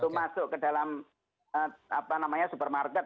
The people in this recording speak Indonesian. masuk ke dalam supermarket